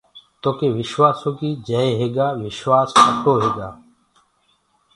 تو ڪي وشواسو ڪي جئي هيگآ وشوآس کٽسو هيگآ۔